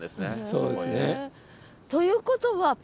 そうですね。ということはそうです。